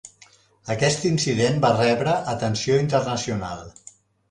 Aquest incident va rebre atenció internacional.